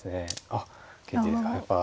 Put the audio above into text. あっやっぱ。